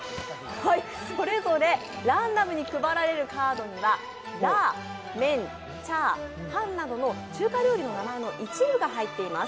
それぞれランダムに配られるカードにはラー、メー、チャー、ハンなどの中華利用の名前の一部が入ってます。